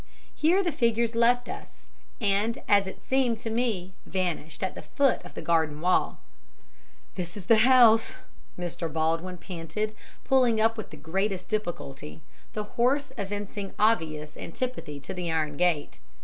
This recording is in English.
Here the figures left us, and as it seemed to me vanished at the foot of the garden wall. "This is the house," Mr. Baldwin panted, pulling up with the greatest difficulty, the horse evincing obvious antipathy to the iron gate.